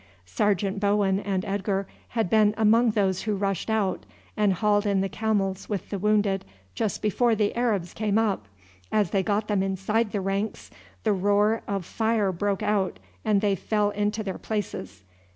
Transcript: Sergeant Bowen and Edgar had been among those who rushed out and hauled in the camels with the wounded just before the Arabs came up. As they got them inside the ranks the roar of fire broke out and they fell into their places.